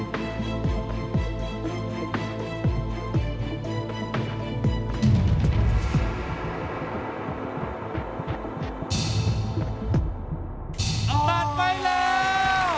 กับพอรู้ดวงชะตาของเขาแล้วนะครับ